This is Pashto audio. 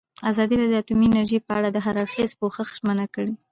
ازادي راډیو د اټومي انرژي په اړه د هر اړخیز پوښښ ژمنه کړې.